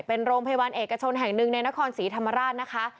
เป็นโรงพยาบาลเอกชนแห่งหนึ่งในนครศรีธรรมราชนะคะ